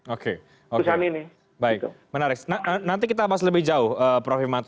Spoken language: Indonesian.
oke oke baik menarik nanti kita bahas lebih jauh prof himad